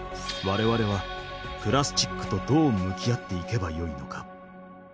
われわれはプラスチックとどう向き合っていけばよいのか。